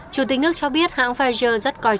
chủ tịch nước cho biết hãng pfizer